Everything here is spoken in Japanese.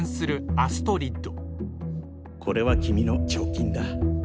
アストリッド！